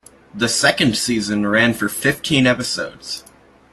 The second season ran for fifteen episodes.